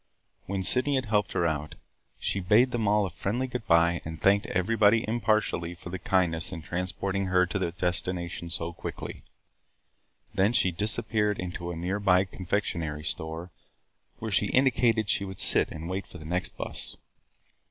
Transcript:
When Sydney had helped her out, she bade them all a friendly good by and thanked everybody impartially for the kindness in transporting her to her destination so quickly. Then she disappeared into a near by confectionery store where she indicated that she would sit and wait for the next bus.